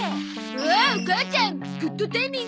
おお母ちゃんグッドタイミング！